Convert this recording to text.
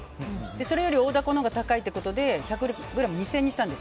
それより大ダコのほうが高いということで１００ｇ２０００円にしたんです。